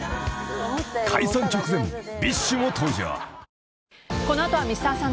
［解散直前ＢｉＳＨも登場］